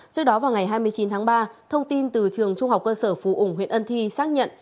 trước đó vào ngày hai mươi chín tháng ba thông tin từ trường trung học cơ sở phú ủng huyện ân thi xác nhận